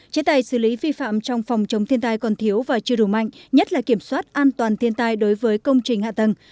chế tài xử lý vi phạm trong phòng chống thiên tai còn thiếu và chưa đủ mạnh nhất là kiểm soát an toàn thiên tai đối với công trình hạ tầng